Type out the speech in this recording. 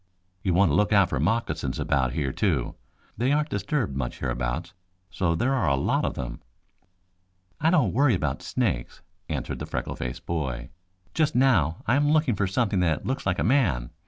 You want to look out for moccasins about here, too. They aren't disturbed much hereabouts, so there are a lot of them." "I don't worry about snakes," answered the freckle faced boy. "Just now I am looking for something that looks like a man.